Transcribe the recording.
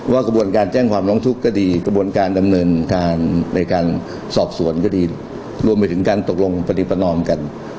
กระบวนการแจ้งความร้องทุกข์ก็ดีกระบวนการดำเนินการในการสอบสวนก็ดีรวมไปถึงการตกลงปฏิประนอมกัน